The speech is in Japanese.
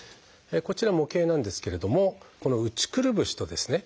こちら模型なんですけれどもこの内くるぶしとですね